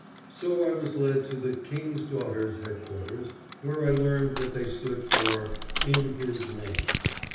So I was led to the King's Daughters' headquarters, where I learned that they stood for "In His Name."